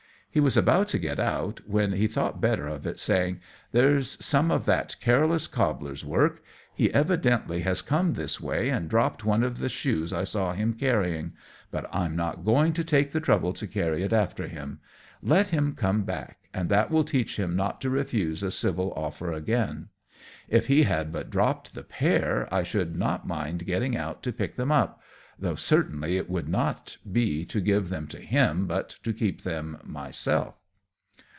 He was about to get out, when he thought better of it, saying, "There's some of that careless cobbler's work. He evidently has come this way, and dropped one of the shoes I saw him carrying but I'm not going to take the trouble to carry it after him. Let him come back, and that will teach him not to refuse a civil offer again. If he had but dropped the pair, I should not mind getting out to pick them up though certainly it would not be to give them to him, but to keep them myself."